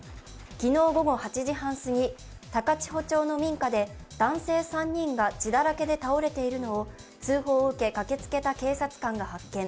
昨日午後８時半すぎ高千穂町の民家で男性３人が血だらけで倒れているのを通報を受け、駆けつけた警察官が発見。